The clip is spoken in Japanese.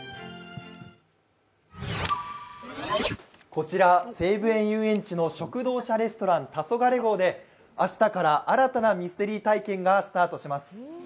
こちら西武園ゆうえんちの「食堂車レストラン黄昏号」で明日から新たなミステリー体験がスタ−トします。